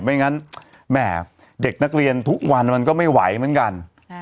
ไม่งั้นแหม่เด็กนักเรียนทุกวันมันก็ไม่ไหวเหมือนกัน